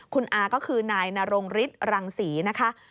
คุณอาก็คือนายนรงฤทธิรังศรีนะคะ